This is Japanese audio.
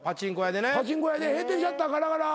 パチンコ屋で閉店シャッターガラガラ。